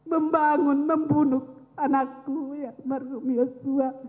membangun membunuh anakku yang yosua